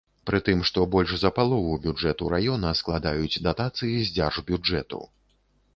Пры тым, што больш за палову бюджэту раёна складаюць датацыі з дзяржбюджэту.